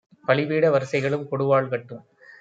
பலிபீட வரிசைகளும் கொடுவாள் கட்டும்